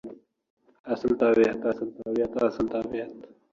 Shu yotishimda yigirma kundan ko‘p yotdim.